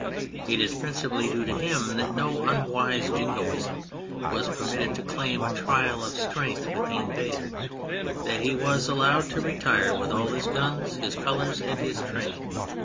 It is principally due to him that no unwise Jingoism w^as permitted to claim a trial of strength with the invader, that he was allowed to retire with all his guns, his colours and his train.